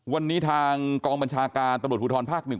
วันนี้ทางกองบัญชาการตำรวจภูทรภาค๑